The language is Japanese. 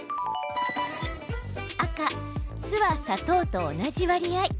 赤・酢は砂糖と同じ割合